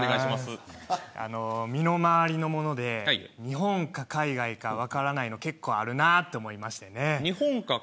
身の回りの物で日本か海外か分からないの結構あるなと思いまして。